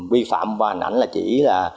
vi phạm qua hình ảnh là chỉ là